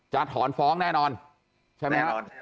ถอนฟ้องแน่นอนใช่ไหมครับ